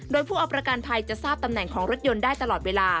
โดยผู้เอาประกันภัยจะทราบตำแหน่งของรถยนต์ได้ตลอดเวลา